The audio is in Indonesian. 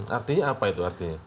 artinya apa itu artinya